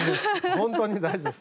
本当に大事です。